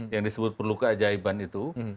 yang disebut perlu keajaiban itu